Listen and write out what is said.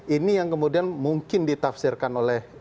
ini yang kemudian mungkin ditafsirkan oleh